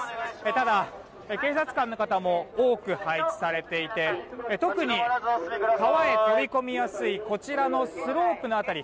ただ、警察官の方も多く配置されていて特に川へ飛び込みやすいこちらのスロープの辺り。